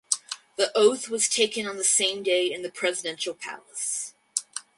The oath was taken on the same day in the Presidential Palace.